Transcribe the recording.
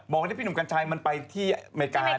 ที่พี่หนุ่มกัญชัยมันไปที่อเมริกา